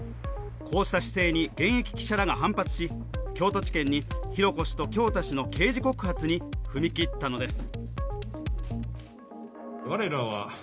こうした姿勢に現役記者らが反発し京都地検に浩子氏と京大氏の刑事告発に踏み切ったのです。